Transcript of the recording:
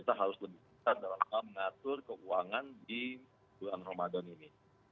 kita harus lebih besar dalam hal mengatur keuangan di bulan ramadan ini